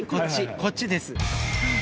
こっちです。